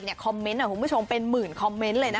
อีกคอมเมนต์ผมไม่ชงเป็นหมื่นคอมเมนต์เลยนะคะ